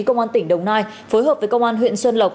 công an tỉnh đồng nai phối hợp với công an huyện xuân lộc